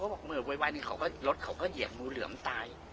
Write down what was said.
บอกเมื่อไวหนึ่งเขาก็รถเขาก็เหยียบงูเหลือมตาย